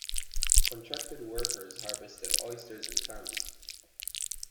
Contracted workers harvested oysters and clams.